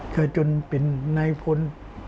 ก็จนเป็นนายฝน